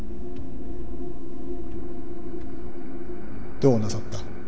どうなさった。